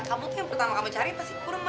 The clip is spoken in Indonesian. kamu tuh yang pertama cari pas si kurma